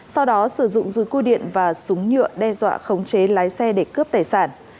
sau đó sử dụng dùi cua điện và súng nhựa đe dọa khống chế lái xe để cướp tài sản